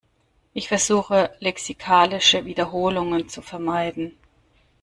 Ich versuche, lexikalische Wiederholungen zu vermeiden.